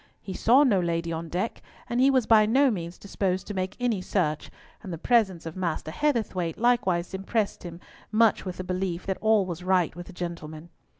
He saw no lady on deck, and he was by no means disposed to make any search, and the presence of Master Heatherthwayte likewise impressed him much with the belief that all was right with the gentlemen.